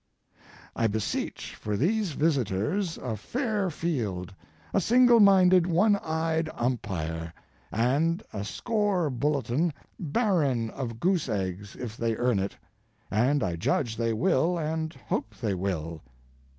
I beseech for these visitors a fair field, a singleminded, one eyed umpire, and a score bulletin barren of goose eggs if they earn it—and I judge they will and hope they will.